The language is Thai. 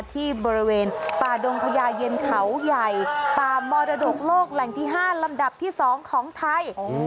ที่บริเวณป่าดงพญาเย็นเขาใหญ่ป่ามรดกโลกแหล่งที่๕ลำดับที่๒ของไทย